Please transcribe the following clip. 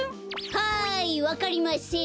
はいわかりません。